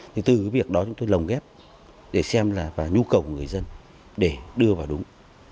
thì từ cái việc đó chúng tôi lồng ghép để xem là và nhu cầu của người dân để đưa vào đúng